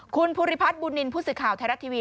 คุณภูริพัฒน์บุนนินผู้สิทธิ์ข่าวไทยรัตน์ทีวี